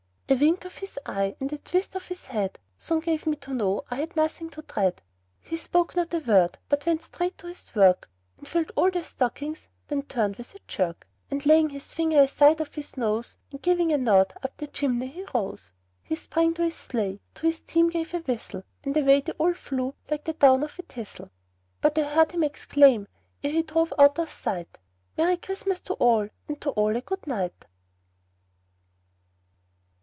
A wink of his eye, and a twist of his head, Soon gave me to know I had nothing to dread. He spoke not a word, but went straight to his work, And filled all the stockings; then turned with a jerk, And laying his finger aside of his nose, And giving a nod, up the chimney he rose. He sprang to his sleigh, to his team gave a whistle, And away they all flew like the down of a thistle; But I heard him exclaim, ere he drove out of sight, "Merry Christmas to all, and to all a good night!"